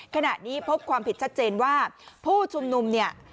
ขณะนี้พบความผิดชัดเจนว่าผู้ชุมนุมเนี่ย